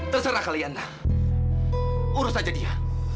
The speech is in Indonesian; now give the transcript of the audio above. terserah kalian urus aja dia